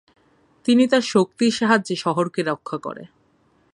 তিনি তার শক্তির সাহায্যে শহর কে রক্ষা করে।